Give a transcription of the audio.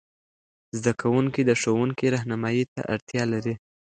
زده کوونکي د ښوونکې رهنمايي ته اړتیا لري.